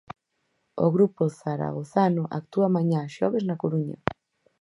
O grupo zaragozano actúa mañá, xoves, na Coruña.